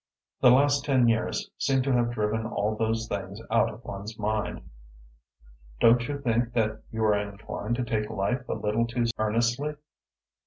The last ten years seem to have driven all those things out of one's mind." "Don't you think that you are inclined to take life a little too earnestly?"